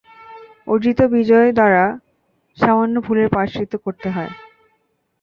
অর্জিত বিজয় দ্বারা সামান্য ভুলের প্রায়শ্চিত্ত করতে হয়।